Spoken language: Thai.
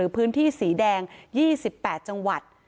พื้นที่สีแดง๒๘จังหวัด